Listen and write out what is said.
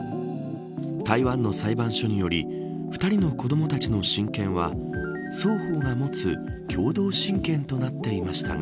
台湾の裁判所により２人の子どもたちの親権は双方が持つ共同親権となっていましたが。